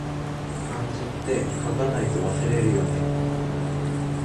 漢字って、書かないと忘れるよね